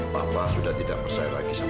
papa sudah tidak bersayang lagi sama kamu